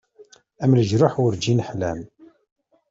Am leǧruḥ urǧin ḥlan.